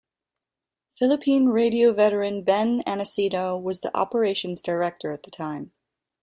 Philippine radio veteran Ben Aniceto was the operations director at the time.